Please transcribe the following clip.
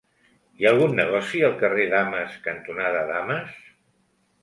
Hi ha algun negoci al carrer Dames cantonada Dames?